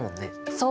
そう！